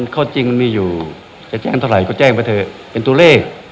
ข้อจริงมันมีอยู่จะแจ้งเท่าไหร่ก็แจ้งไปเถอะเป็นตัวเลข